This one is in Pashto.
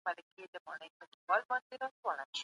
پوهانو تر دې وړاندې د اقتصادي ودي بشپړ تعريف کړی و.